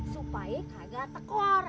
supaya kagak tekor